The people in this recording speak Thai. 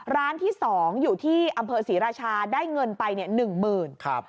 ร้านที่๒อยู่ที่อำเภอศรีราชาได้เงินไปเนี่ย๑๐๐๐๐บาท